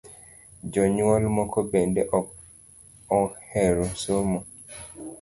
Jonyuol moko bende ok ohero somo